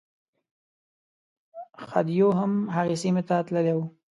خدیو هم هغې سیمې ته تللی و.